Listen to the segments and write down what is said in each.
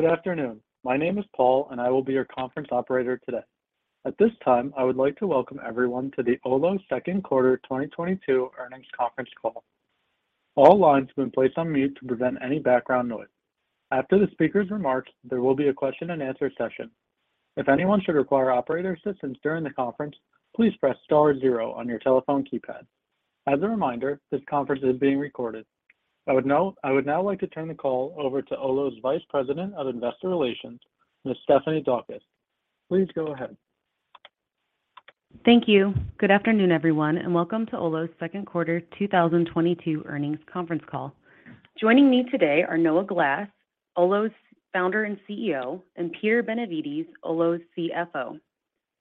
Good afternoon. My name is Paul, and I will be your conference operator today. At this time, I would like to welcome everyone to the Olo second quarter 2022 earnings conference call. All lines have been placed on mute to prevent any background noise. After the speaker's remarks, there will be a question and answer session. If anyone should require operator assistance during the conference, please press star zero on your telephone keypad. As a reminder, this conference is being recorded. I would now like to turn the call over to Olo's Vice President of Investor Relations, Ms. Stephanie Daukus. Please go ahead. Thank you. Good afternoon, everyone, and welcome to Olo's second quarter 2022 earnings conference call. Joining me today are Noah Glass, Olo's Founder and CEO, and Peter Benevides, Olo's CFO.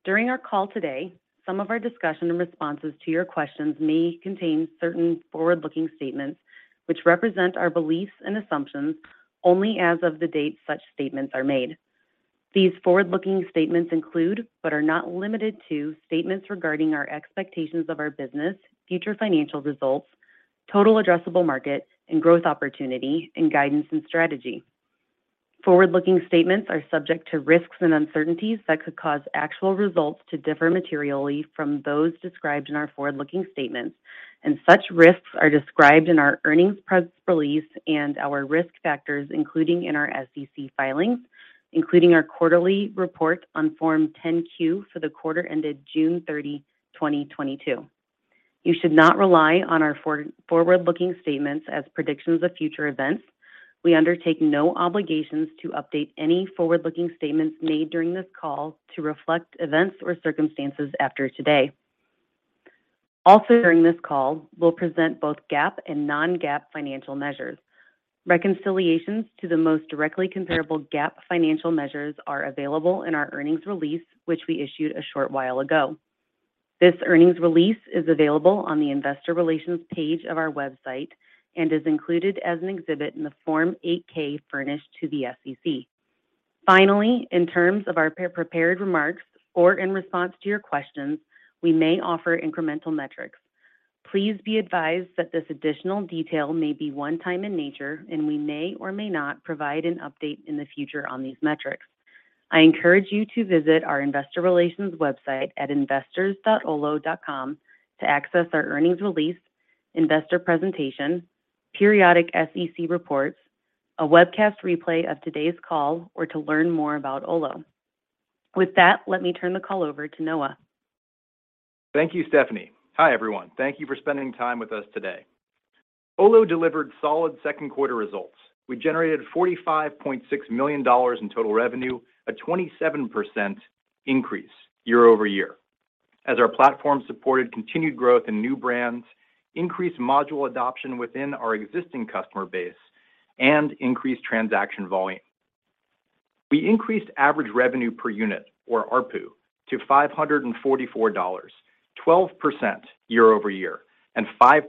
During our call today, some of our discussion and responses to your questions may contain certain forward-looking statements which represent our beliefs and assumptions only as of the date such statements are made. These forward-looking statements include, but are not limited to, statements regarding our expectations of our business, future financial results, total addressable market, and growth opportunity, and guidance and strategy. Forward-looking statements are subject to risks and uncertainties that could cause actual results to differ materially from those described in our forward-looking statements, and such risks are described in our earnings press release and our risk factors including in our SEC filings, including our quarterly report on Form 10-Q for the quarter ended June 30, 2022. You should not rely on our forward-looking statements as predictions of future events. We undertake no obligations to update any forward-looking statements made during this call to reflect events or circumstances after today. Also, during this call, we'll present both GAAP and non-GAAP financial measures. Reconciliations to the most directly comparable GAAP financial measures are available in our earnings release, which we issued a short while ago. This earnings release is available on the investor relations page of our website and is included as an exhibit in the Form 8-K furnished to the SEC. Finally, in terms of our pre-prepared remarks or in response to your questions, we may offer incremental metrics. Please be advised that this additional detail may be one-time in nature, and we may or may not provide an update in the future on these metrics. I encourage you to visit our investor relations website at investors dot olo dot com to access our earnings release, investor presentation, periodic SEC reports, a webcast replay of today's call, or to learn more about Olo. With that, let me turn the call over to Noah. Thank you, Stephanie. Hi, everyone. Thank you for spending time with us today. Olo delivered solid second quarter results. We generated $45.6 million in total revenue, a 27% increase year-over-year as our platform supported continued growth in new brands, increased module adoption within our existing customer base, and increased transaction volume. We increased average revenue per unit, or ARPU, to $544, 12% year-over-year, and 5%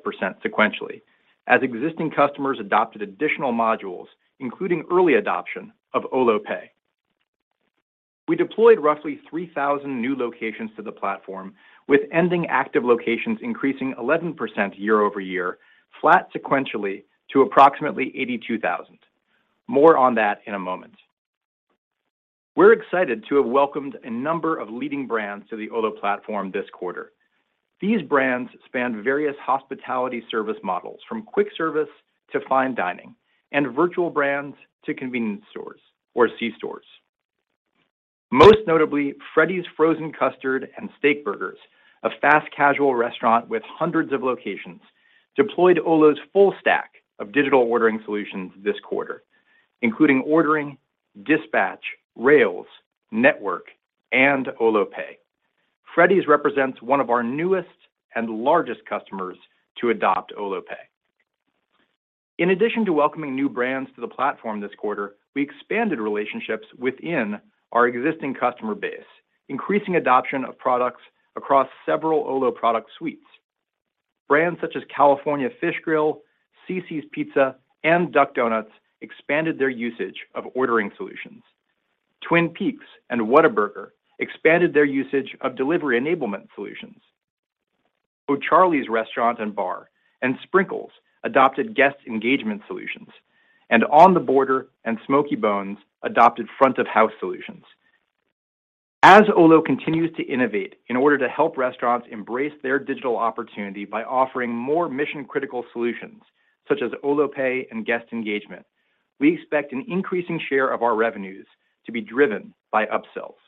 sequentially as existing customers adopted additional modules, including early adoption of Olo Pay. We deployed roughly 3,000 new locations to the platform, with ending active locations increasing 11% year-over-year, flat sequentially to approximately 82,000. More on that in a moment. We're excited to have welcomed a number of leading brands to the Olo platform this quarter. These brands span various hospitality service models from quick service to fine dining and virtual brands to convenience stores or C-stores. Most notably, Freddy's Frozen Custard & Steakburgers, a fast-casual restaurant with hundreds of locations, deployed Olo's full stack of digital ordering solutions this quarter, including ordering, dispatch, rails, network, and Olo Pay. Freddy's represents one of our newest and largest customers to adopt Olo Pay. In addition to welcoming new brands to the platform this quarter, we expanded relationships within our existing customer base, increasing adoption of products across several Olo product suites. Brands such as California Fish Grill, Cicis Pizza, and Duck Donuts expanded their usage of ordering solutions. Twin Peaks and Whataburger expanded their usage of delivery enablement solutions. O'Charley's Restaurant & Bar and Sprinkles adopted guest engagement solutions. On The Border and Smokey Bones adopted front-of-house solutions. As Olo continues to innovate in order to help restaurants embrace their digital opportunity by offering more mission-critical solutions, such as Olo Pay and guest engagement, we expect an increasing share of our revenues to be driven by upsells.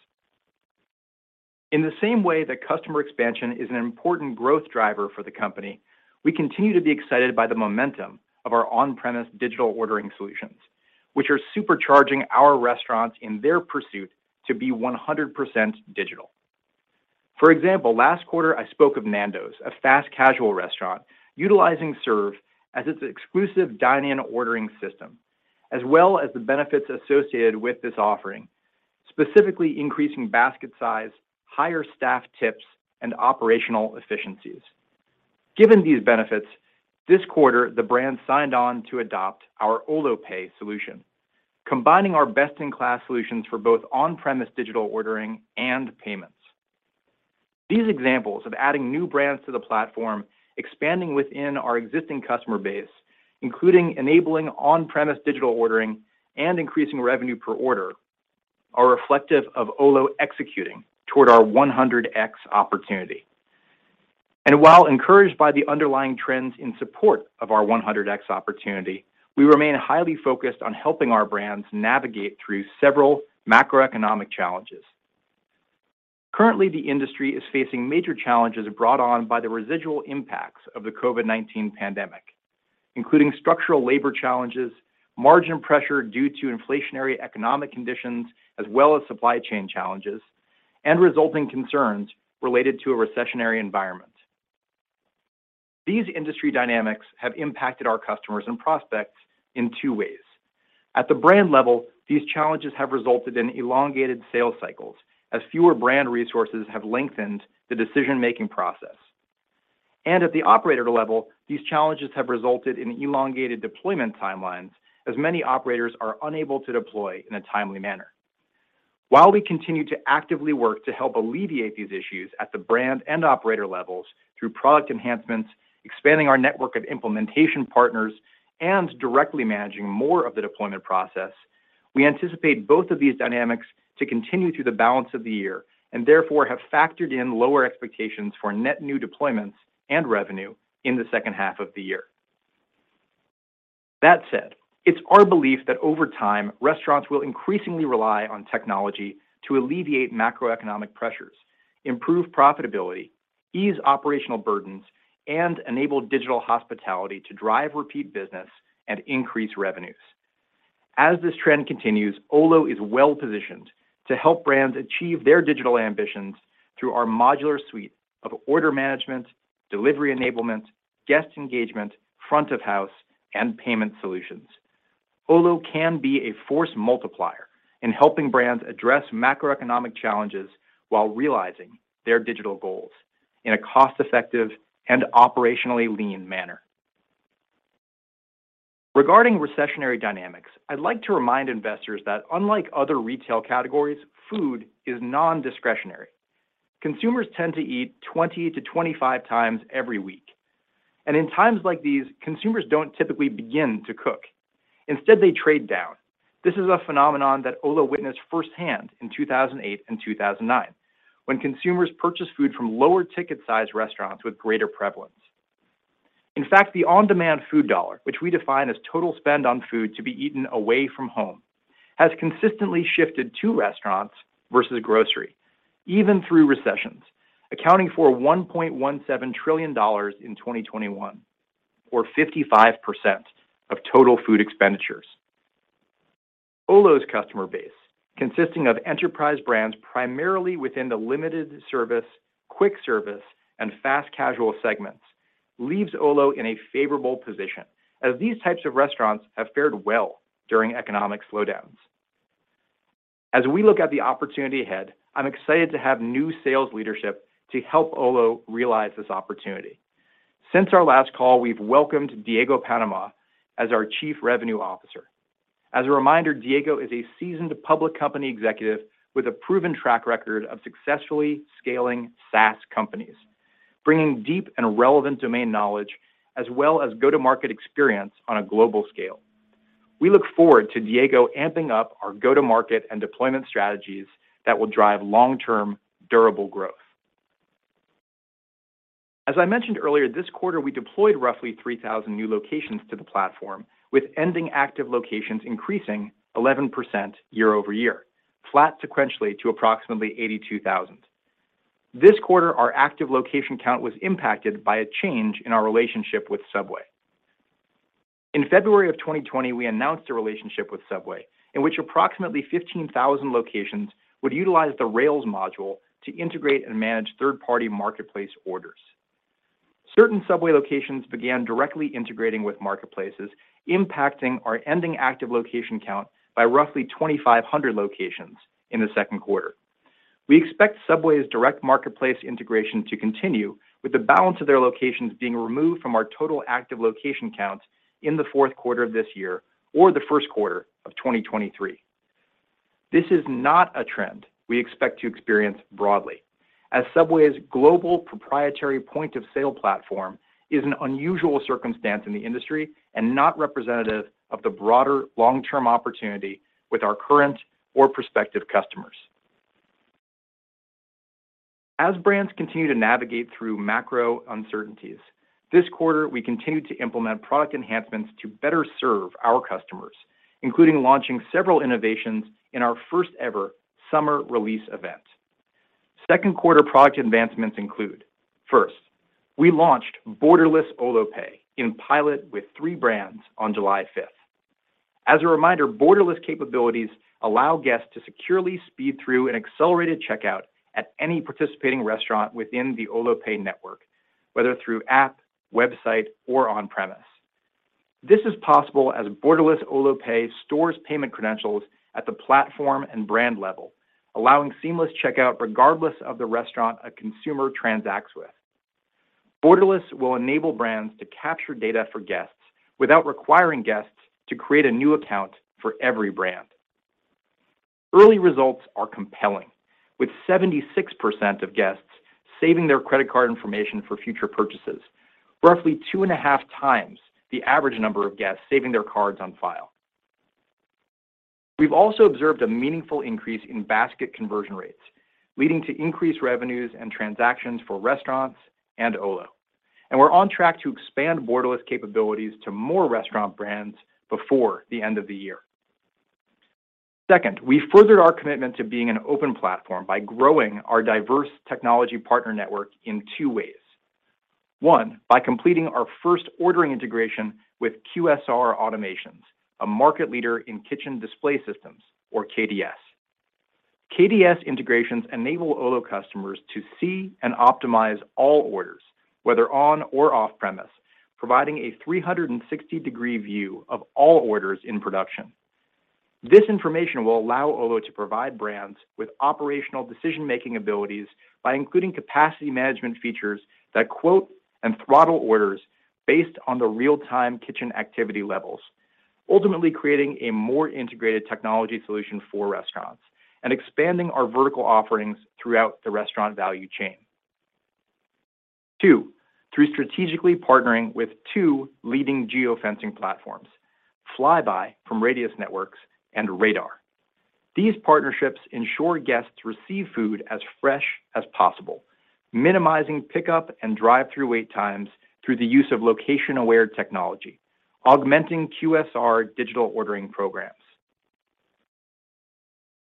In the same way that customer expansion is an important growth driver for the company, we continue to be excited by the momentum of our on-premise digital ordering solutions, which are supercharging our restaurants in their pursuit to be 100% digital. For example, last quarter, I spoke of Nando's, a fast-casual restaurant, utilizing Serve as its exclusive dine-in ordering system, as well as the benefits associated with this offering, specifically increasing basket size, higher staff tips, and operational efficiencies. Given these benefits, this quarter the brand signed on to adopt our Olo Pay solution, combining our best-in-class solutions for both on-premise digital ordering and payments. These examples of adding new brands to the platform, expanding within our existing customer base, including enabling on-premise digital ordering and increasing revenue per order, are reflective of Olo executing toward our 100x opportunity. While encouraged by the underlying trends in support of our 100x opportunity, we remain highly focused on helping our brands navigate through several macroeconomic challenges. Currently, the industry is facing major challenges brought on by the residual impacts of the COVID-19 pandemic, including structural labor challenges, margin pressure due to inflationary economic conditions, as well as supply chain challenges and resulting concerns related to a recessionary environment. These industry dynamics have impacted our customers and prospects in two ways. At the brand level, these challenges have resulted in elongated sales cycles as fewer brand resources have lengthened the decision-making process. At the operator level, these challenges have resulted in elongated deployment timelines as many operators are unable to deploy in a timely manner. While we continue to actively work to help alleviate these issues at the brand and operator levels through product enhancements, expanding our network of implementation partners, and directly managing more of the deployment process, we anticipate both of these dynamics to continue through the balance of the year and therefore have factored in lower expectations for net new deployments and revenue in the second half of the year. That said, it's our belief that over time, restaurants will increasingly rely on technology to alleviate macroeconomic pressures, improve profitability, ease operational burdens, and enable digital hospitality to drive repeat business and increase revenues. As this trend continues, Olo is well-positioned to help brands achieve their digital ambitions through our modular suite of order management, delivery enablement, guest engagement, front of house, and payment solutions. Olo can be a force multiplier in helping brands address macroeconomic challenges while realizing their digital goals in a cost-effective and operationally lean manner. Regarding recessionary dynamics, I'd like to remind investors that unlike other retail categories, food is nondiscretionary. Consumers tend to eat 20-25 times every week. In times like these, consumers don't typically begin to cook. Instead, they trade down. This is a phenomenon that Olo witnessed firsthand in 2008 and 2009 when consumers purchased food from lower ticket size restaurants with greater prevalence. In fact, the on-demand food dollar, which we define as total spend on food to be eaten away from home, has consistently shifted to restaurants versus grocery, even through recessions, accounting for $1.17 trillion in 2021, or 55% of total food expenditures. Olo's customer base, consisting of enterprise brands primarily within the limited service, quick service, and fast casual segments, leaves Olo in a favorable position as these types of restaurants have fared well during economic slowdowns. As we look at the opportunity ahead, I'm excited to have new sales leadership to help Olo realize this opportunity. Since our last call, we've welcomed Diego Panama as our Chief Revenue Officer. As a reminder, Diego is a seasoned public company executive with a proven track record of successfully scaling SaaS companies, bringing deep and relevant domain knowledge as well as go-to-market experience on a global scale. We look forward to Diego amping up our go-to-market and deployment strategies that will drive long-term durable growth. As I mentioned earlier, this quarter, we deployed roughly 3,000 new locations to the platform, with ending active locations increasing 11% year over year, flat sequentially to approximately 82,000. This quarter, our active location count was impacted by a change in our relationship with Subway. In February of 2020, we announced a relationship with Subway in which approximately 15,000 locations would utilize the Rails module to integrate and manage third-party marketplace orders. Certain Subway locations began directly integrating with marketplaces, impacting our ending active location count by roughly 2,500 locations in the second quarter. We expect Subway's direct marketplace integration to continue, with the balance of their locations being removed from our total active location count in the fourth quarter of this year or the first quarter of 2023. This is not a trend we expect to experience broadly, as Subway's global proprietary point-of-sale platform is an unusual circumstance in the industry and not representative of the broader long-term opportunity with our current or prospective customers. As brands continue to navigate through macro uncertainties, this quarter, we continued to implement product enhancements to better serve our customers, including launching several innovations in our first-ever summer release event. Second quarter product advancements include, first, we launched Borderless Olo Pay in pilot with three brands on July 5th. As a reminder, Borderless capabilities allow guests to securely speed through an accelerated checkout at any participating restaurant within the Olo Pay network, whether through app, website, or on-premises. This is possible as Borderless Olo Pay stores payment credentials at the platform and brand level, allowing seamless checkout regardless of the restaurant a consumer transacts with. Borderless will enable brands to capture data for guests without requiring guests to create a new account for every brand. Early results are compelling, with 76% of guests saving their credit card information for future purchases, roughly 2.5 times the average number of guests saving their cards on file. We've also observed a meaningful increase in basket conversion rates, leading to increased revenues and transactions for restaurants and Olo. We're on track to expand Borderless capabilities to more restaurant brands before the end of the year. Second, we furthered our commitment to being an open platform by growing our diverse technology partner network in two ways. One, by completing our first ordering integration with QSR Automations, a market leader in kitchen display systems, or KDS. KDS integrations enable Olo customers to see and optimize all orders, whether on or off-premise, providing a 360-degree view of all orders in production. This information will allow Olo to provide brands with operational decision-making abilities by including capacity management features that quote and throttle orders based on the real-time kitchen activity levels, ultimately creating a more integrated technology solution for restaurants and expanding our vertical offerings throughout the restaurant value chain. Two, through strategically partnering with two leading geofencing platforms, Flybuy from Radius Networks and Radar. These partnerships ensure guests receive food as fresh as possible, minimizing pickup and drive-through wait times through the use of location-aware technology, augmenting QSR digital ordering programs.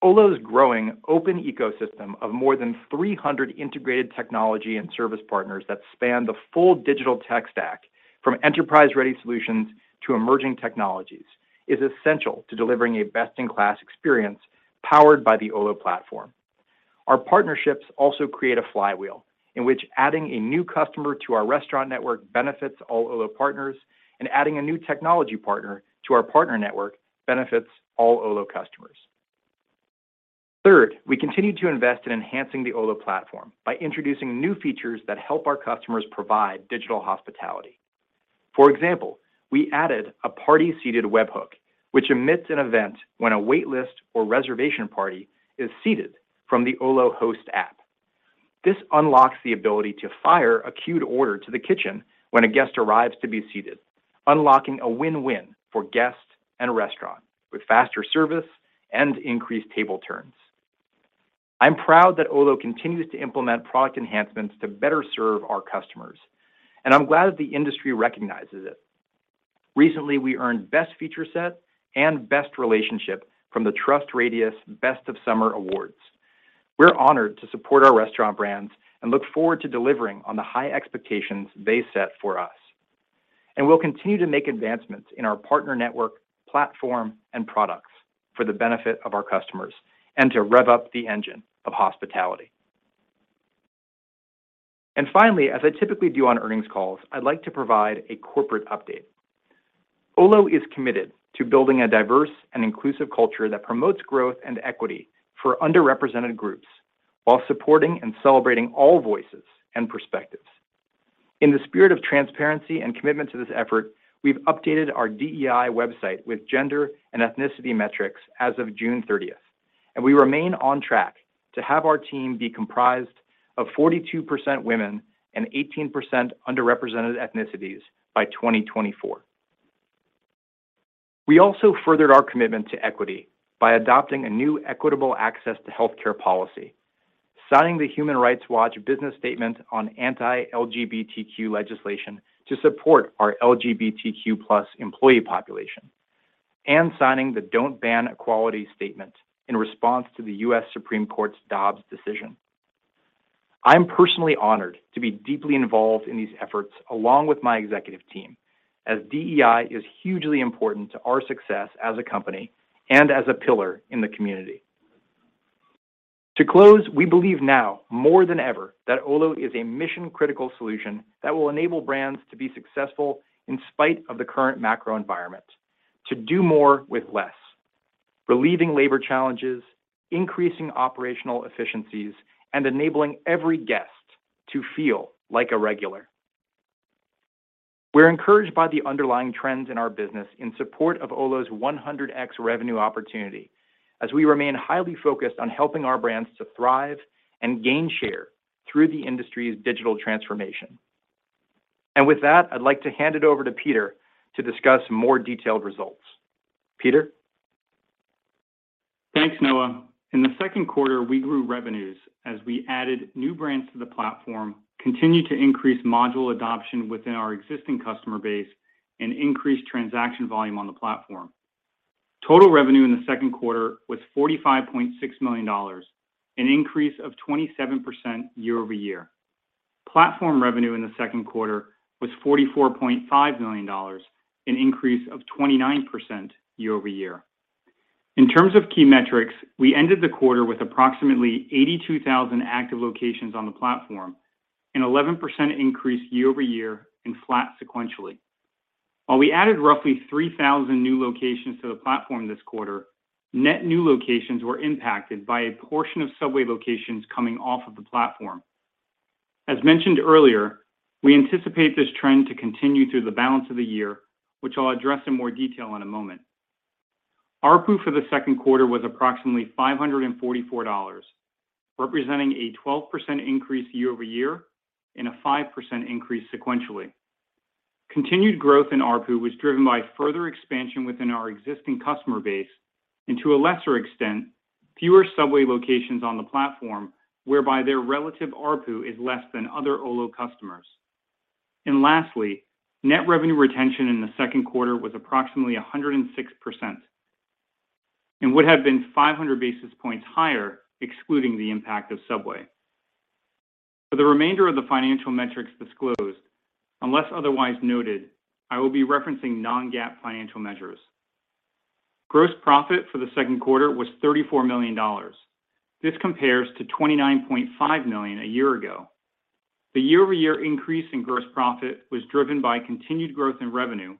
Olo's growing open ecosystem of more than 300 integrated technology and service partners that span the full digital tech stack from enterprise-ready solutions to emerging technologies is essential to delivering a best-in-class experience powered by the Olo platform. Our partnerships also create a flywheel in which adding a new customer to our restaurant network benefits all Olo partners, and adding a new technology partner to our partner network benefits all Olo customers. Third, we continue to invest in enhancing the Olo platform by introducing new features that help our customers provide digital hospitality. For example, we added a party-seated webhook, which emits an event when a wait list or reservation party is seated from the Olo Host app. This unlocks the ability to fire a queued order to the kitchen when a guest arrives to be seated, unlocking a win-win for guests and restaurant with faster service and increased table turns. I'm proud that Olo continues to implement product enhancements to better serve our customers, and I'm glad the industry recognizes it. Recently, we earned Best Feature Set and Best Relationship from the TrustRadius Best of Summer awards. We're honored to support our restaurant brands and look forward to delivering on the high expectations they set for us. We'll continue to make advancements in our partner network, platform, and products for the benefit of our customers and to rev up the engine of hospitality. Finally, as I typically do on earnings calls, I'd like to provide a corporate update. Olo is committed to building a diverse and inclusive culture that promotes growth and equity for underrepresented groups while supporting and celebrating all voices and perspectives. In the spirit of transparency and commitment to this effort, we've updated our DEI website with gender and ethnicity metrics as of June thirtieth, and we remain on track to have our team be comprised of 42% women and 18% underrepresented ethnicities by 2024. We also furthered our commitment to equity by adopting a new equitable access to health care policy, signing the Human Rights Campaign business statement on anti-LGBTQ legislation to support our LGBTQ plus employee population, and signing the Don't Ban Equality statement in response to the US Supreme Court's Dobbs decision. I'm personally honored to be deeply involved in these efforts along with my executive team as DEI is hugely important to our success as a company and as a pillar in the community. To close, we believe now more than ever that Olo is a mission-critical solution that will enable brands to be successful in spite of the current macro environment to do more with less, relieving labor challenges, increasing operational efficiencies, and enabling every guest to feel like a regular. We're encouraged by the underlying trends in our business in support of Olo's 100x revenue opportunity as we remain highly focused on helping our brands to thrive and gain share through the industry's digital transformation. With that, I'd like to hand it over to Peter to discuss more detailed results. Peter? Thanks, Noah. In the second quarter, we grew revenues as we added new brands to the platform, continued to increase module adoption within our existing customer base, and increased transaction volume on the platform. Total revenue in the second quarter was $45.6 million, an increase of 27% year-over-year. Platform revenue in the second quarter was $44.5 million, an increase of 29% year-over-year. In terms of key metrics, we ended the quarter with approximately 82,000 active locations on the platform, an 11% increase year-over-year and flat sequentially. While we added roughly 3,000 new locations to the platform this quarter, net new locations were impacted by a portion of Subway locations coming off of the platform. As mentioned earlier, we anticipate this trend to continue through the balance of the year, which I'll address in more detail in a moment. ARPU for the second quarter was approximately $544, representing a 12% increase year-over-year and a 5% increase sequentially. Continued growth in ARPU was driven by further expansion within our existing customer base and to a lesser extent, fewer Subway locations on the platform whereby their relative ARPU is less than other Olo customers. Lastly, net revenue retention in the second quarter was approximately 106% and would have been 500 basis points higher, excluding the impact of Subway. For the remainder of the financial metrics disclosed, unless otherwise noted, I will be referencing non-GAAP financial measures. Gross profit for the second quarter was $34 million. This compares to $29.5 million a year ago. The year-over-year increase in gross profit was driven by continued growth in revenue,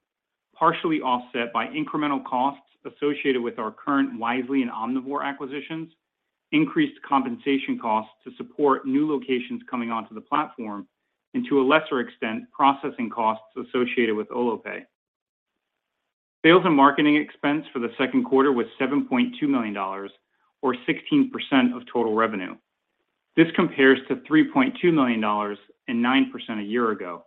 partially offset by incremental costs associated with our current Wisely and Omnivore acquisitions, increased compensation costs to support new locations coming onto the platform, and to a lesser extent, processing costs associated with Olo Pay. Sales and marketing expense for the second quarter was $7.2 million or 16% of total revenue. This compares to $3.2 million and 9% a year ago.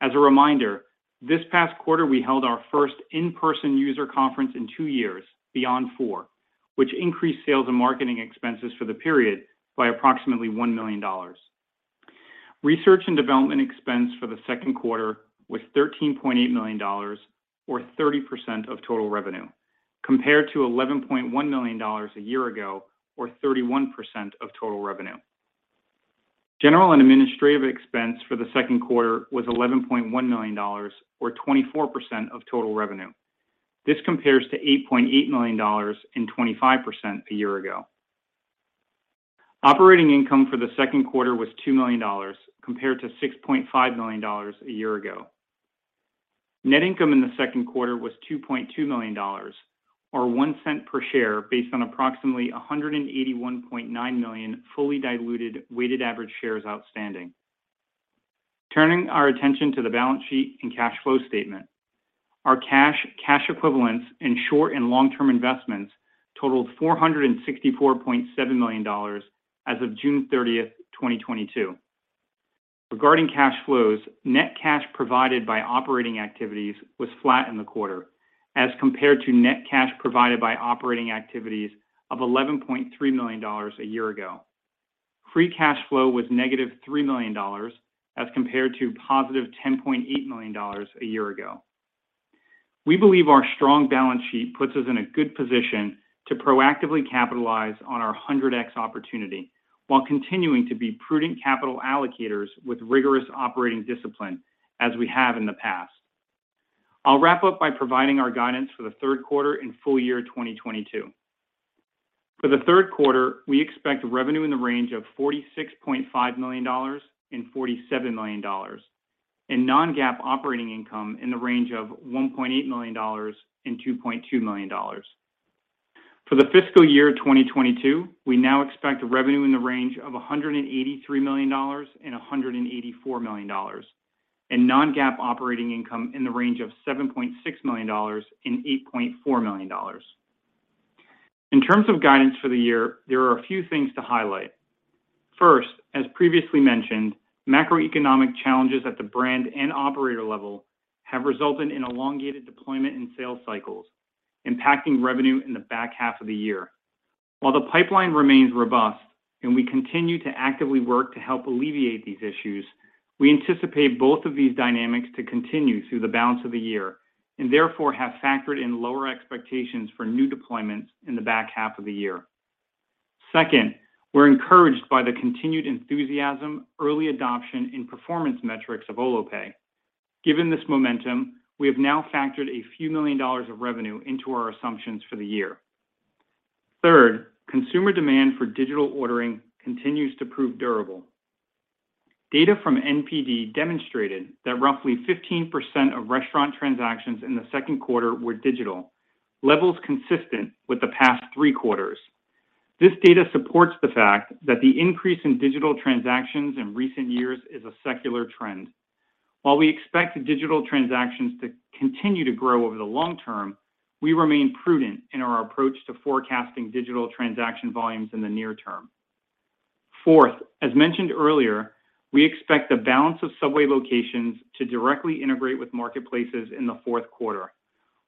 As a reminder, this past quarter we held our first in-person user conference in two years, Beyond4, which increased sales and marketing expenses for the period by approximately $1 million. Research and development expense for the second quarter was $13.8 million or 30% of total revenue, compared to $11.1 million a year ago or 31% of total revenue. General and administrative expense for the second quarter was $11.1 million or 24% of total revenue. This compares to $8.8 million and 25% a year ago. Operating income for the second quarter was $2 million, compared to $6.5 million a year ago. Net income in the second quarter was $2.2 million or $0.01 per share based on approximately 181.9 million fully diluted weighted average shares outstanding. Turning our attention to the balance sheet and cash flow statement. Our cash equivalents, and short- and long-term investments totaled $464.7 million as of June 30, 2022. Regarding cash flows, net cash provided by operating activities was flat in the quarter as compared to net cash provided by operating activities of $11.3 million a year ago. Free cash flow was -$3 million as compared to $10.8 million a year ago. We believe our strong balance sheet puts us in a good position to proactively capitalize on our 100x opportunity while continuing to be prudent capital allocators with rigorous operating discipline as we have in the past. I'll wrap up by providing our guidance for the third quarter and full year 2022. For the third quarter, we expect revenue in the range of $46.5 million-$47 million, and non-GAAP operating income in the range of $1.8 million-$2.2 million. For the fiscal year 2022, we now expect revenue in the range of $183 million-$184 million, and non-GAAP operating income in the range of $7.6 million-$8.4 million. In terms of guidance for the year, there are a few things to highlight. First, as previously mentioned, macroeconomic challenges at the brand and operator level have resulted in elongated deployment and sales cycles, impacting revenue in the back half of the year. While the pipeline remains robust and we continue to actively work to help alleviate these issues, we anticipate both of these dynamics to continue through the balance of the year and therefore have factored in lower expectations for new deployments in the back half of the year. Second, we're encouraged by the continued enthusiasm, early adoption in performance metrics of Olo Pay. Given this momentum, we have now factored a few million of revenue into our assumptions for the year. Third, consumer demand for digital ordering continues to prove durable. Data from NPD demonstrated that roughly 15% of restaurant transactions in the second quarter were digital, levels consistent with the past three quarters. This data supports the fact that the increase in digital transactions in recent years is a secular trend. While we expect digital transactions to continue to grow over the long term, we remain prudent in our approach to forecasting digital transaction volumes in the near term. Fourth, as mentioned earlier, we expect the balance of Subway locations to directly integrate with marketplaces in the fourth quarter.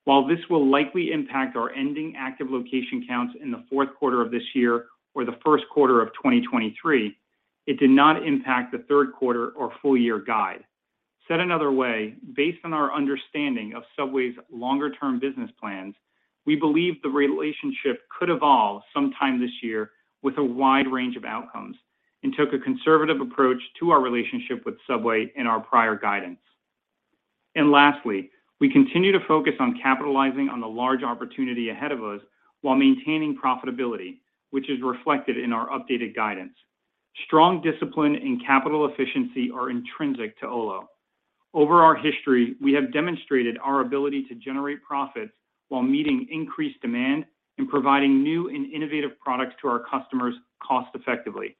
While this will likely impact our ending active location counts in the fourth quarter of this year or the first quarter of 2023, it did not impact the third quarter or full year guide. Said another way, based on our understanding of Subway's longer term business plans, we believe the relationship could evolve sometime this year with a wide range of outcomes and took a conservative approach to our relationship with Subway in our prior guidance. Lastly, we continue to focus on capitalizing on the large opportunity ahead of us while maintaining profitability, which is reflected in our updated guidance. Strong discipline and capital efficiency are intrinsic to Olo. Over our history, we have demonstrated our ability to generate profits while meeting increased demand and providing new and innovative products to our customers cost effectively.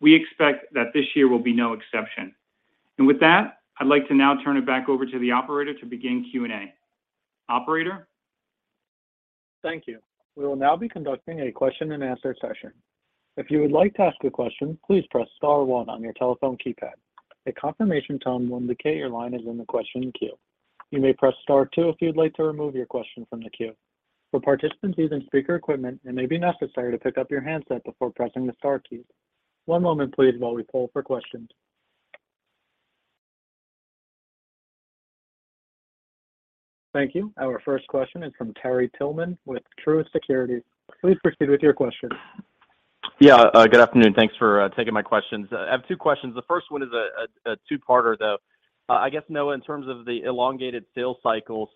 We expect that this year will be no exception. With that, I'd like to now turn it back over to the operator to begin Q&A. Operator? Thank you. We will now be conducting a question and answer session. If you would like to ask a question, please press star one on your telephone keypad. A confirmation tone will indicate your line is in the question queue. You may press star two if you'd like to remove your question from the queue. For participants using speaker equipment, it may be necessary to pick up your handset before pressing the star keys. One moment please while we poll for questions. Thank you. Our first question is from Terry Tillman with Truist Securities. Please proceed with your question. Yeah. Good afternoon. Thanks for taking my questions. I have two questions. The first one is a two-parter, though. I guess, Noah, in terms of the elongated sales cycles,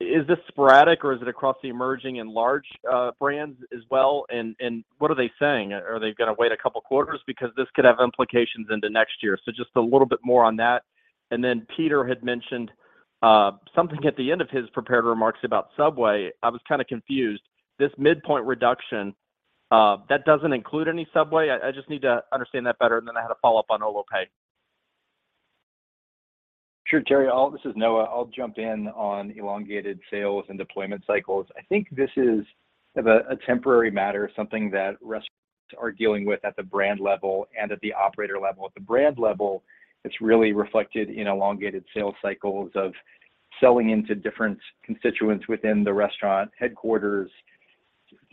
is this sporadic, or is it across the emerging and large brands as well? What are they saying? Are they gonna wait a couple quarters? Because this could have implications into next year. Just a little bit more on that. Then Peter had mentioned something at the end of his prepared remarks about Subway. I was kinda confused. This midpoint reduction that doesn't include any Subway? I just need to understand that better, and then I had a follow-up on Olo Pay. Sure, Terry. This is Noah. I'll jump in on elongated sales and deployment cycles. I think this is of a temporary matter, something that restaurants are dealing with at the brand level and at the operator level. At the brand level, it's really reflected in elongated sales cycles of selling into different constituents within the restaurant headquarters,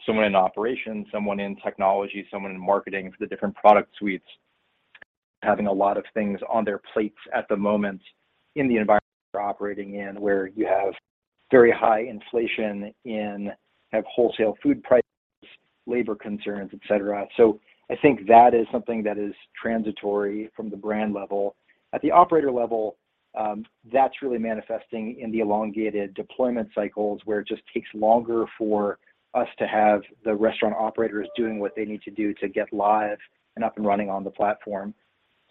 someone in operations, someone in technology, someone in marketing for the different product suites, having a lot of things on their plates at the moment in the environment they're operating in, where you have very high inflation in wholesale food prices, labor concerns, et cetera. I think that is something that is transitory from the brand level. At the operator level, that's really manifesting in the elongated deployment cycles, where it just takes longer for us to have the restaurant operators doing what they need to do to get live and up and running on the platform.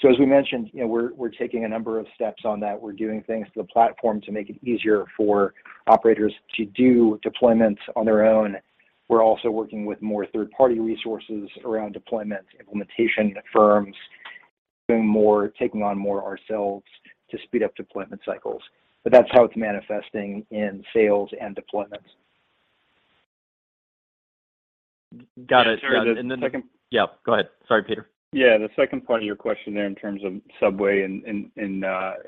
As we mentioned, you know, we're taking a number of steps on that. We're doing things to the platform to make it easier for operators to do deployments on their own. We're also working with more third-party resources around deployment, implementation at firms, doing more, taking on more ourselves to speed up deployment cycles. That's how it's manifesting in sales and deployments. Got it. Got it. And the second- Yeah, go ahead. Sorry, Peter. Yeah. The second part of your question there in terms of Subway and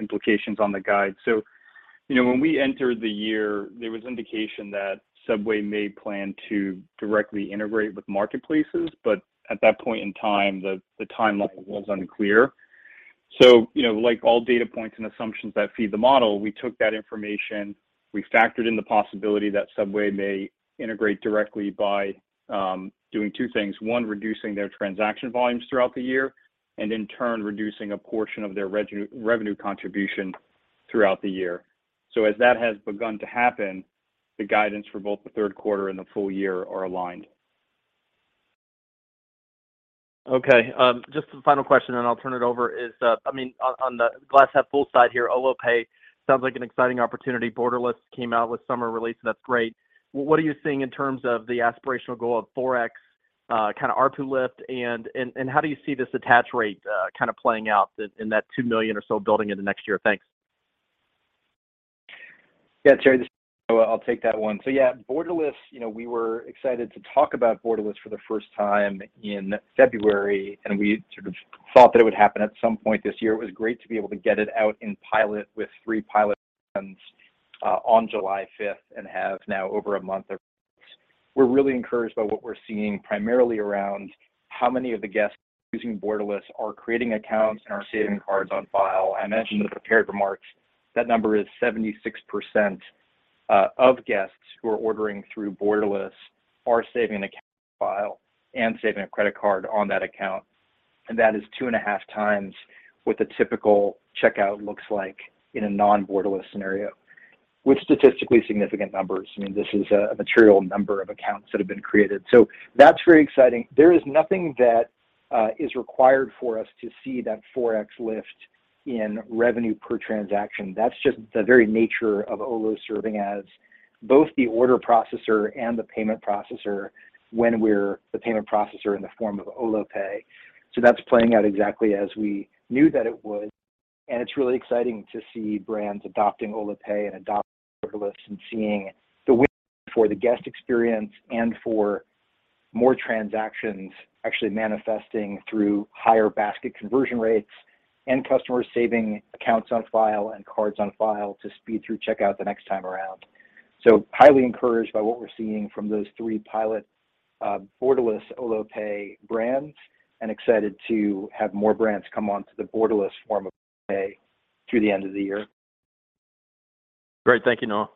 implications on the guide. You know, when we entered the year, there was indication that Subway may plan to directly integrate with marketplaces, but at that point in time, the timeline was unclear. You know, like all data points and assumptions that feed the model, we took that information, we factored in the possibility that Subway may integrate directly by doing two things. One, reducing their transaction volumes throughout the year, and in turn, reducing a portion of their revenue contribution throughout the year. As that has begun to happen, the guidance for both the third quarter and the full year are aligned. Okay. Just a final question, and I'll turn it over. I mean, on the glass half full side here, Olo Pay sounds like an exciting opportunity. Borderless came out with summer release, so that's great. What are you seeing in terms of the aspirational goal of 4x kinda ARPU lift, and how do you see this attach rate kinda playing out in that 2 million or so building in the next year? Thanks. Yeah, Terry, this is Noah. I'll take that one. Yeah, Borderless, you know, we were excited to talk about Borderless for the first time in February, and we sort of thought that it would happen at some point this year. It was great to be able to get it out in pilot with three pilot ones on July fifth, and have now over a month of results. We're really encouraged by what we're seeing, primarily around how many of the guests using Borderless are creating accounts and are saving cards on file. I mentioned in the prepared remarks, that number is 76% of guests who are ordering through Borderless are saving an account on file and saving a credit card on that account, and that is 2.5 times what the typical checkout looks like in a non-Borderless scenario, which statistically significant numbers. I mean, this is a material number of accounts that have been created, so that's very exciting. There is nothing that is required for us to see that 4x lift in revenue per transaction. That's just the very nature of Olo serving as both the order processor and the payment processor when we're the payment processor in the form of Olo Pay. That's playing out exactly as we knew that it would, and it's really exciting to see brands adopting Olo Pay and adopting Borderless and seeing the wins for the guest experience and for more transactions actually manifesting through higher basket conversion rates and customers saving accounts on file and cards on file to speed through checkout the next time around. Highly encouraged by what we're seeing from those three pilot Borderless Olo Pay brands, and excited to have more brands come onto the Borderless form of Olo Pay through the end of the year. Great. Thank you, Noah.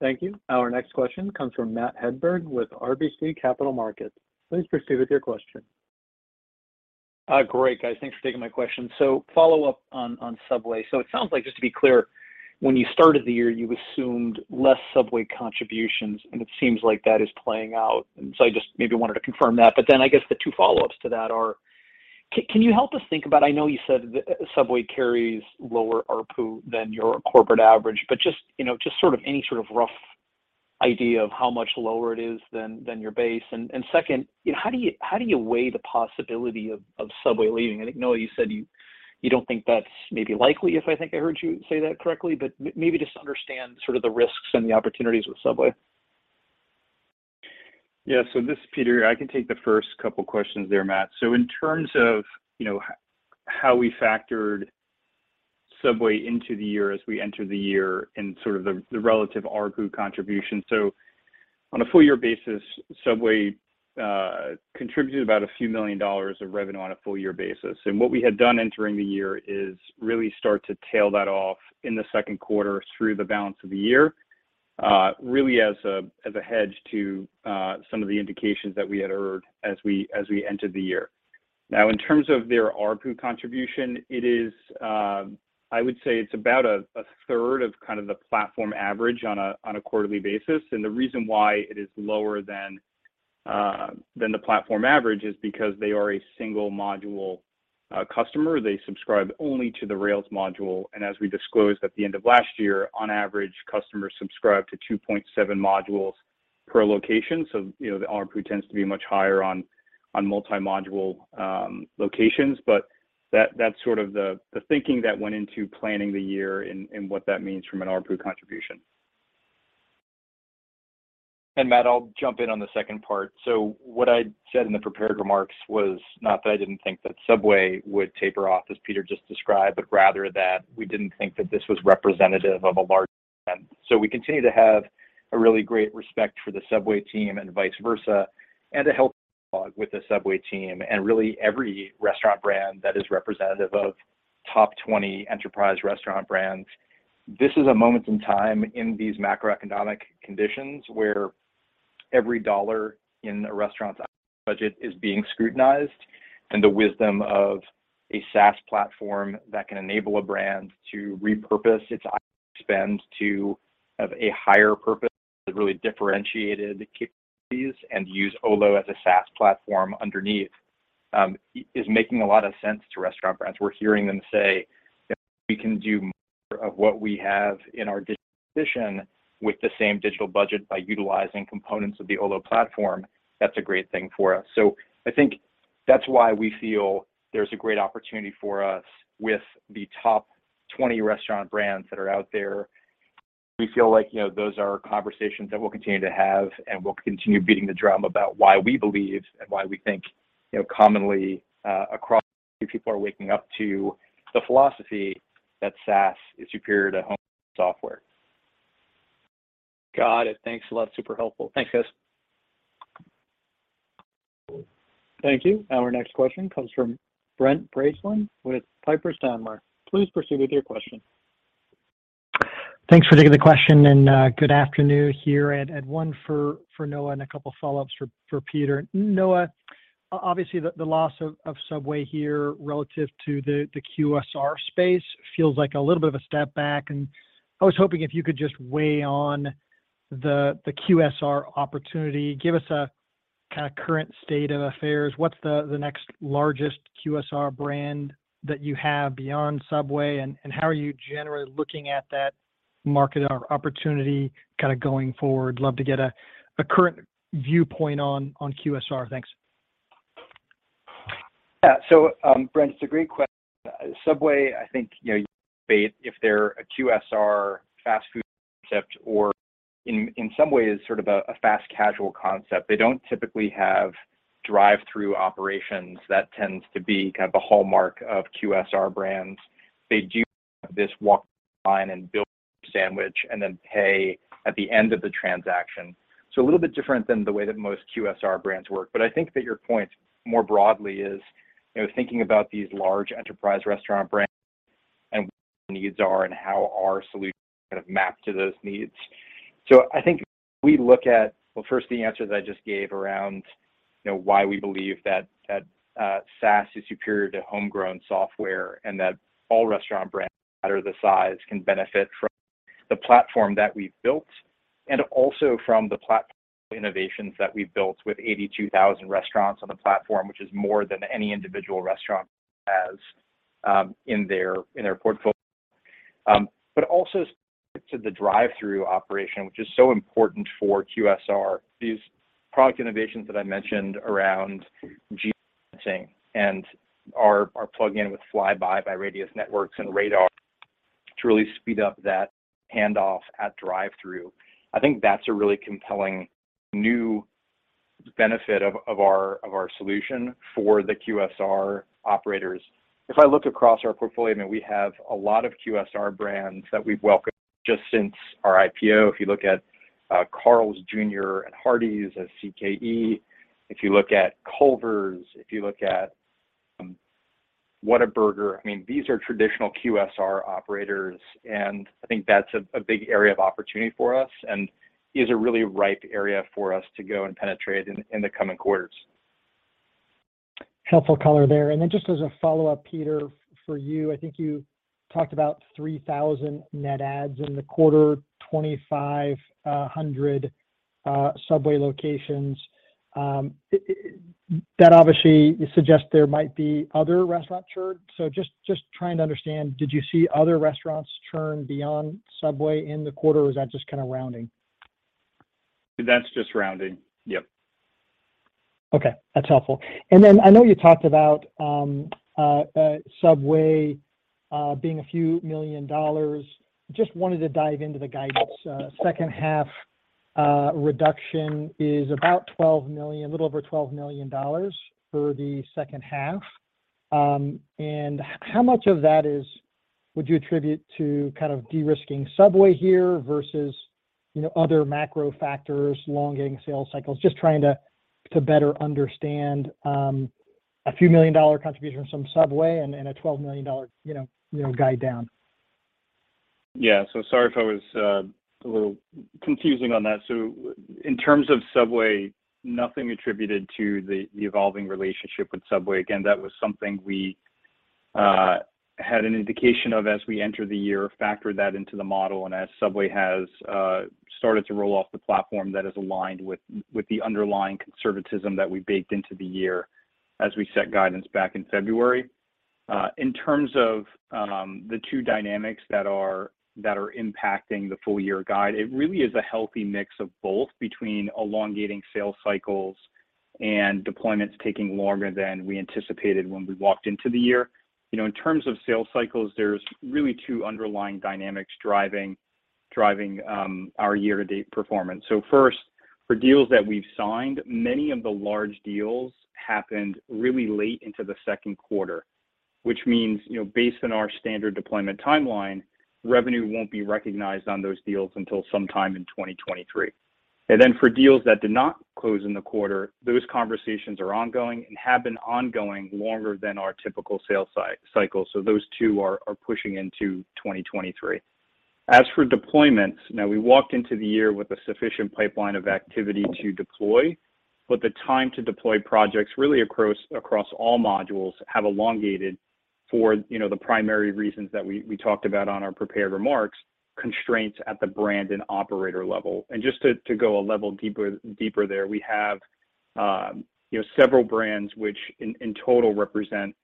Thank you. Our next question comes from Matt Hedberg with RBC Capital Markets. Please proceed with your question. Great, guys. Thanks for taking my question. Follow up on Subway. It sounds like, just to be clear, when you started the year, you assumed less Subway contributions, and it seems like that is playing out. I just maybe wanted to confirm that. I guess the two follow-ups to that are, can you help us think about. I know you said that Subway carries lower ARPU than your corporate average, but just, you know, just sort of any sort of rough idea of how much lower it is than your base. And second, you know, how do you weigh the possibility of Subway leaving? I think, Noah, you said you don't think that's maybe likely, if I think I heard you say that correctly, but maybe just understand sort of the risks and the opportunities with Subway. Yeah. This is Peter. I can take the first couple questions there, Matt. In terms of, you know, how we factored Subway into the year as we enter the year and sort of the relative ARPU contribution. On a full year basis, Subway contributed about a few million dollars of revenue on a full year basis. What we had done entering the year is really start to tail that off in the second quarter through the balance of the year, really as a hedge to some of the indications that we had heard as we entered the year. Now, in terms of their ARPU contribution, it is. I would say it's about a third of kind of the platform average on a quarterly basis. The reason why it is lower than the platform average is because they are a single module customer. They subscribe only to the Rails module. As we disclosed at the end of last year, on average, customers subscribe to 2.7 modules per location. The ARPU tends to be much higher on multi-module locations, but that's sort of the thinking that went into planning the year and what that means from an ARPU contribution. Matt, I'll jump in on the second part. What I said in the prepared remarks was not that I didn't think that Subway would taper off, as Peter just described, but rather that we didn't think that this was representative of a larger trend. We continue to have a really great respect for the Subway team and vice versa, and a healthy dialogue with the Subway team and really every restaurant brand that is representative of top twenty enterprise restaurant brands. This is a moment in time in these macroeconomic conditions where every dollar in a restaurant's budget is being scrutinized, and the wisdom of a SaaS platform that can enable a brand to repurpose its spend to have a higher purpose, really differentiated capabilities, and use Olo as a SaaS platform underneath, is making a lot of sense to restaurant brands. We're hearing them say, "If we can do more of what we have in our digital position with the same digital budget by utilizing components of the Olo platform, that's a great thing for us." I think that's why we feel there's a great opportunity for us with the top 20 restaurant brands that are out there. We feel like, you know, those are conversations that we'll continue to have, and we'll continue beating the drum about why we believe and why we think, you know, commonly, across people are waking up to the philosophy that SaaS is superior to homegrown software. Got it. Thanks a lot. Super helpful. Thanks, guys. Thank you. Our next question comes from Brent Bracelin with Piper Sandler. Please proceed with your question. Thanks for taking the question, and good afternoon here. One for Noah and a couple follow-ups for Peter. Noah, obviously, the loss of Subway here relative to the QSR space feels like a little bit of a step back. I was hoping if you could just weigh in on the QSR opportunity, give us a kinda current state of affairs. What's the next largest QSR brand that you have beyond Subway, and how are you generally looking at that market or opportunity kinda going forward? Love to get a current viewpoint on QSR. Thanks. Yeah. Brent, it's a great question. Subway, I think, you know, if they're a QSR fast food concept or in some ways sort of a fast casual concept, they don't typically have drive-through operations. That tends to be kind of a hallmark of QSR brands. They do this walk through line and build sandwich and then pay at the end of the transaction. A little bit different than the way that most QSR brands work. I think that your point more broadly is, you know, thinking about these large enterprise restaurant brands and what their needs are and how our solutions kind of map to those needs. I think we look at, well, first the answer that I just gave around, you know, why we believe that SaaS is superior to homegrown software and that all restaurant brands, no matter the size, can benefit from the platform that we've built, and also from the platform innovations that we've built with 82,000 restaurants on the platform, which is more than any individual restaurant has in their portfolio. Also to the drive-through operation, which is so important for QSR. These product innovations that I mentioned around geofencing and our plug-in with Flybuy by Radius Networks and Radar to really speed up that handoff at drive-through. I think that's a really compelling new benefit of our solution for the QSR operators. If I look across our portfolio, I mean, we have a lot of QSR brands that we've welcomed just since our IPO. If you look at Carl's Jr. and Hardee's at CKE. If you look at Culver's. Whataburger, I mean, these are traditional QSR operators, and I think that's a big area of opportunity for us and is a really ripe area for us to go and penetrate in the coming quarters. Helpful color there. Then just as a follow-up, Peter, for you, I think you talked about 3,000 net adds in the quarter, 2,500 Subway locations. That obviously suggests there might be other restaurant churn. Just trying to understand, did you see other restaurants churn beyond Subway in the quarter, or is that just kind of rounding? That's just rounding. Yep. Okay, that's helpful. I know you talked about Subway being a few million dollars. Just wanted to dive into the guidance. Second half reduction is about $12 million, a little over $12 million for the second half. How much of that would you attribute to kind of de-risking Subway here versus, you know, other macro factors, long sales cycles? Just trying to better understand a few million dollar contribution from Subway and a $12 million you know guide down. Yeah. Sorry if I was a little confusing on that. In terms of Subway, nothing attributed to the evolving relationship with Subway. Again, that was something we had an indication of as we entered the year, factored that into the model. As Subway has started to roll off the platform, that is aligned with the underlying conservatism that we baked into the year as we set guidance back in February. In terms of the two dynamics that are impacting the full year guide, it really is a healthy mix of both between elongating sales cycles and deployments taking longer than we anticipated when we walked into the year. You know, in terms of sales cycles, there's really two underlying dynamics driving our year-to-date performance. First, for deals that we've signed, many of the large deals happened really late into the second quarter, which means, you know, based on our standard deployment timeline, revenue won't be recognized on those deals until sometime in 2023. Then for deals that did not close in the quarter, those conversations are ongoing and have been ongoing longer than our typical sales cycle. Those two are pushing into 2023. As for deployments, now, we walked into the year with a sufficient pipeline of activity to deploy, but the time to deploy projects really across all modules have elongated for, you know, the primary reasons that we talked about on our prepared remarks, constraints at the brand and operator level. Just to go a level deeper there, we have, you know, several brands which in total represent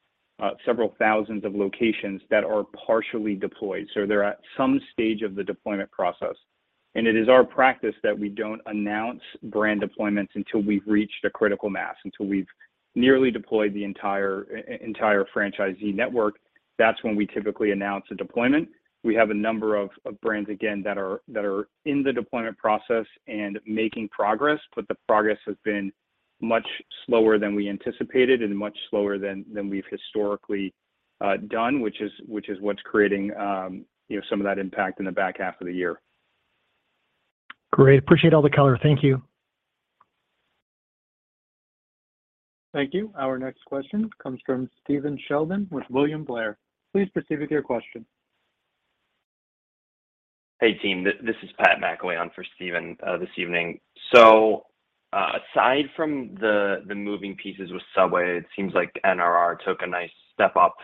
several thousands of locations that are partially deployed. They're at some stage of the deployment process. It is our practice that we don't announce brand deployments until we've reached a critical mass. Until we've nearly deployed the entire franchisee network, that's when we typically announce a deployment. We have a number of brands, again, that are in the deployment process and making progress, but the progress has been much slower than we anticipated and much slower than we've historically done, which is what's creating, you know, some of that impact in the back half of the year. Great. Appreciate all the color. Thank you. Thank you. Our next question comes from Stephen Sheldon with William Blair. Please proceed with your question. Hey, team, this is Patrick McIlwee for Stephen, this evening. Aside from the moving pieces with Subway, it seems like NRR took a nice step up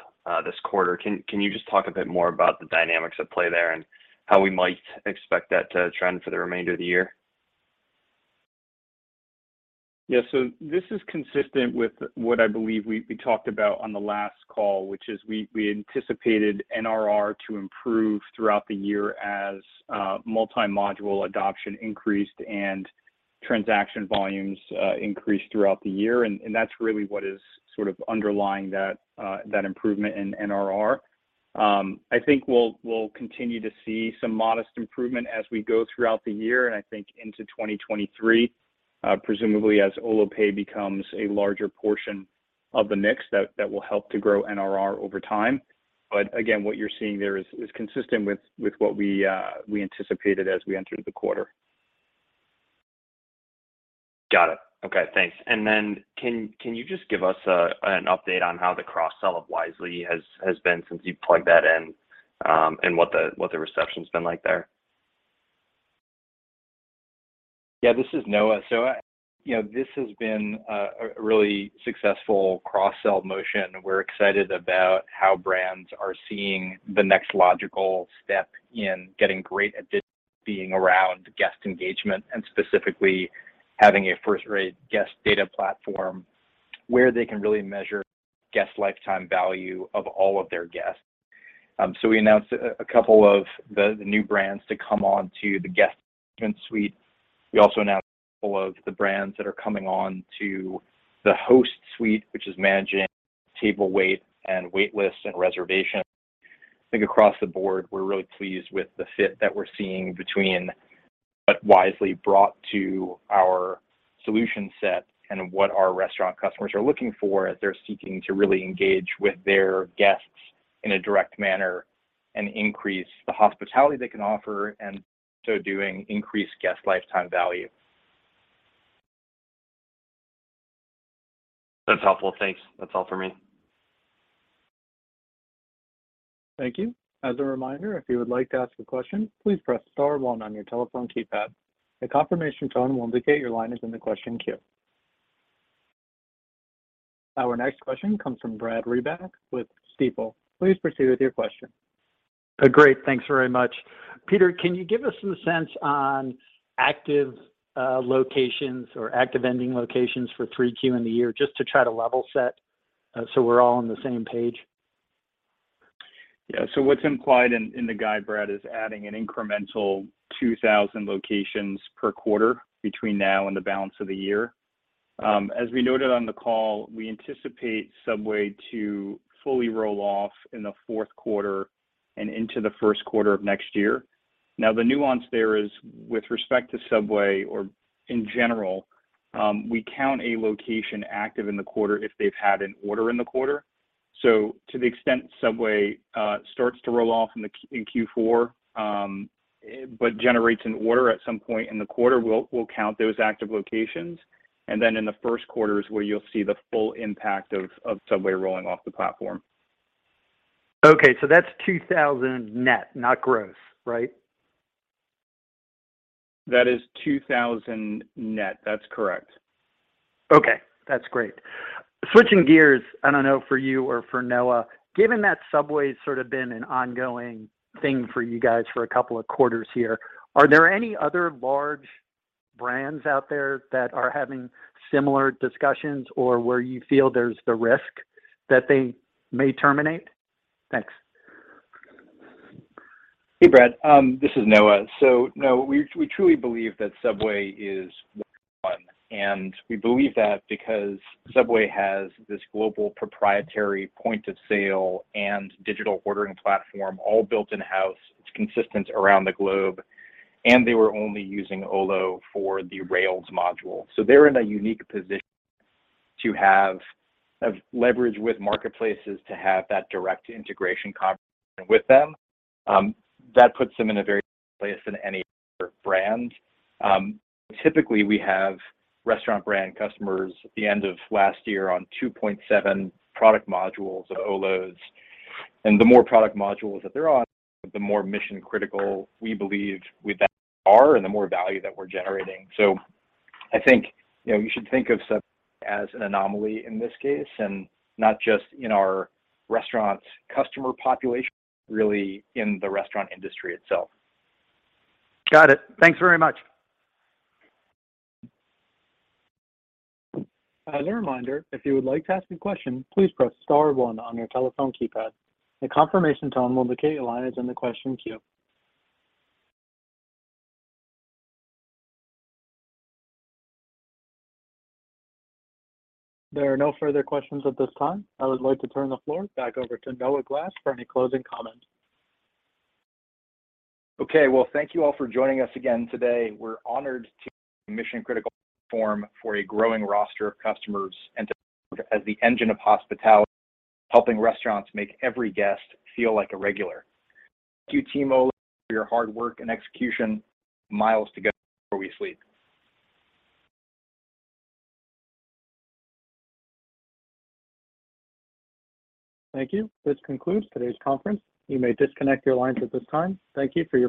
this quarter. Can you just talk a bit more about the dynamics at play there and how we might expect that to trend for the remainder of the year? Yeah. This is consistent with what I believe we talked about on the last call, which is we anticipated NRR to improve throughout the year as multi-module adoption increased and transaction volumes increased throughout the year. That's really what is sort of underlying that improvement in NRR. I think we'll continue to see some modest improvement as we go throughout the year, and I think into 2023, presumably as Olo Pay becomes a larger portion of the mix, that will help to grow NRR over time. Again, what you're seeing there is consistent with what we anticipated as we entered the quarter. Got it. Okay, thanks. Can you just give us an update on how the cross-sell of Wisely has been since you plugged that in, and what the reception's been like there? Yeah. This is Noah. You know, this has been a really successful cross-sell motion. We're excited about how brands are seeing the next logical step in getting great addition being around guest engagement and specifically having a first-rate guest data platform where they can really measure guest lifetime value of all of their guests. We announced a couple of the new brands to come on to the guest suite. We also announced a couple of the brands that are coming on to the host suite, which is managing table wait and wait lists and reservations. I think across the board, we're really pleased with the fit that we're seeing between what Wisely brought to our solution set and what our restaurant customers are looking for as they're seeking to really engage with their guests in a direct manner and increase the hospitality they can offer and so doing increase guest lifetime value. That's helpful. Thanks. That's all for me. Thank you. As a reminder, if you would like to ask a question, please press star one on your telephone keypad. A confirmation tone will indicate your line is in the question queue. Our next question comes from Brad Reback with Stifel. Please proceed with your question. Great. Thanks very much. Peter, can you give us some sense on active locations or active ending locations for 3Q in the year, just to try to level set, so we're all on the same page? Yeah. What's implied in the guide, Brad, is adding an incremental 2,000 locations per quarter between now and the balance of the year. As we noted on the call, we anticipate Subway to fully roll off in the fourth quarter and into the first quarter of next year. Now, the nuance there is with respect to Subway or in general, we count a location active in the quarter if they've had an order in the quarter. To the extent Subway starts to roll off in Q4, but generates an order at some point in the quarter, we'll count those active locations. Then in the first quarter is where you'll see the full impact of Subway rolling off the platform. Okay. That's 2000 net, not gross, right? That is 2,000 net. That's correct. Okay. That's great. Switching gears, I don't know for you or for Noah, given that Subway's sort of been an ongoing thing for you guys for a couple of quarters here, are there any other large brands out there that are having similar discussions or where you feel there's the risk that they may terminate? Thanks. Hey, Brad. This is Noah. No, we truly believe that Subway is one, and we believe that because Subway has this global proprietary point of sale and digital ordering platform all built in-house. It's consistent around the globe, and they were only using Olo for the Rails module. They're in a unique position to have leverage with marketplaces to have that direct integration conversation with them. That puts them in a very good place in any brand. Typically, we have restaurant brand customers at the end of last year on 2.7 product modules of Olo's. The More product modules that they're on, the more mission-critical we believe we are and the more value that we're generating. I think, you know, you should think of Subway as an anomaly in this case and not just in our restaurant customer population, really in the restaurant industry itself. Got it. Thanks very much. As a reminder, if you would like to ask a question, please press star one on your telephone keypad. A confirmation tone will indicate your line is in the question queue. There are no further questions at this time. I would like to turn the floor back over to Noah Glass for any closing comments. Okay. Well, thank you all for joining us again today. We're honored to be mission-critical for a growing roster of customers and to serve as the engine of hospitality, helping restaurants make every guest feel like a regular. Thank you, Team Olo, for your hard work and execution. Miles to go before we sleep. Thank you. This concludes today's conference. You may disconnect your lines at this time. Thank you for your participation.